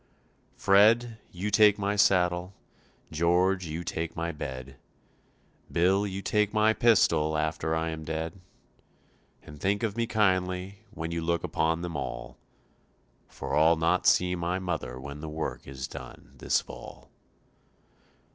"Fred, you take my saddle; George, you take my bed; Bill, you take my pistol after I am dead, And think of me kindly when you look upon them all, For I'll not see my mother when work is done this fall."